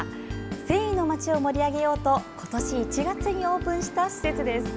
繊維の街を盛り上げようと今年１月にオープンした施設です。